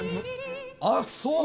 あっそう！